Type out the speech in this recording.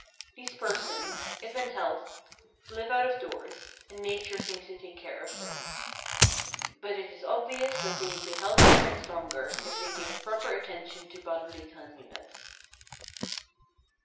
These persons, if in health, live out of doors, and Nature seems to take care of them; but it is obvious that they would be healthier and stronger if they gave proper attention to bodily cleanliness.